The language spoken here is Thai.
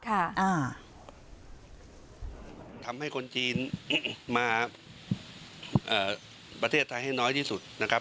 ทำให้คนจีนมาเอ่อประเทศไทยให้น้อยที่สุดนะครับ